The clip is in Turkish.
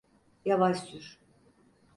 Yavaş sür.